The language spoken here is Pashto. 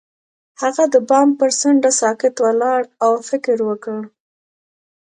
هغه د بام پر څنډه ساکت ولاړ او فکر وکړ.